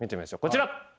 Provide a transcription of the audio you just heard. こちら。